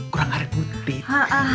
kurang hari putih